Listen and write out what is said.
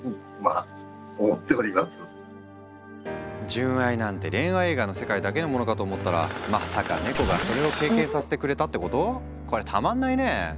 純愛なんて恋愛映画の世界だけのものかと思ったらまさかネコがそれを経験させてくれたってこと⁉こりゃたまんないね！